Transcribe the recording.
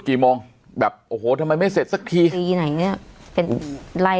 กี่โมงแบบโอ้โหทำไมไม่เสร็จสักทีทีไหนเนี้ยเป็นไล่